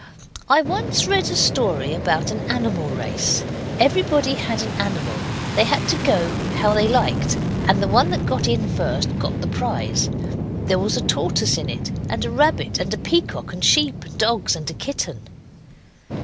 I once read a story about an animal race. Everybody had an animal, and they had to go how they liked, and the one that got in first got the prize. There was a tortoise in it, and a rabbit, and a peacock, and sheep, and dogs, and a kitten.